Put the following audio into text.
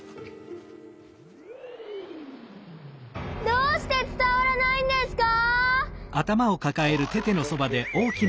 どうしてつたわらないんですか！？